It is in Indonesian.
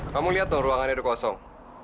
kamu lihat dong ruangannya udah kosong